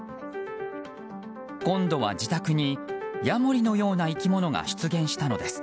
今度は自宅にヤモリのような生き物が出現したのです。